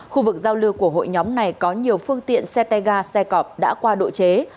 khu vực giao lưu của hội nhóm này có nhiều phương tiện xe tega xe cọp đã qua độ chế